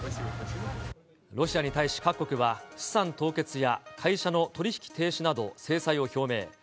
ロシアに対し、各国は資産凍結や会社の取り引き停止など、制裁を表明。